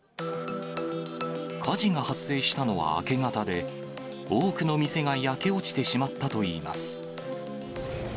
火事が発生したのは明け方で、多くの店が焼け落ちてしまったといいます。